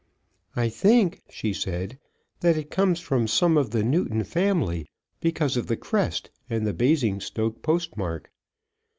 "I think," she said, "that it comes from some of the Newton family because of the crest and the Basingstoke postmark."